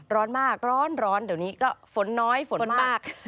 ร้อนมากร้อนเดี๋ยวนี้ก็ฝนน้อยฝนมาก